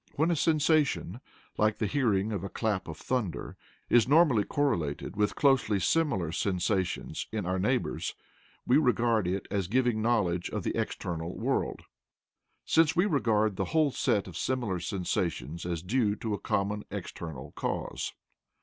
When a sensation like the hearing of a clap of thunder is normally correlated with closely similar sensations in our neighbours, we regard it as giving knowledge of the external world, since we regard the whole set of similar sensations as due to a common external cause.